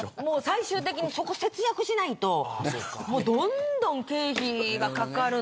最終的にそこ節約しないとどんどん経費がかかるので。